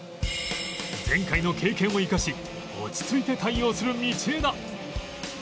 前回の経験を生かし落ち着いて対応する道枝